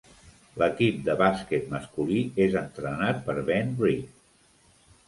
L'equip de bàsquet masculí és entrenat per Ben Reed.